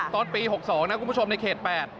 ตอนปี๖๒นะคุณผู้ชมในเขต๘